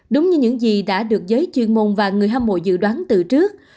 đúng như những gì đã được giới chuyên môn và người hâm mộ dự đoán từ trước